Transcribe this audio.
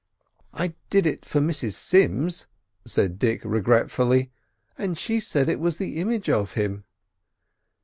"I did it for Mrs Sims," said Dick regretfully, "and she said it was the image of him."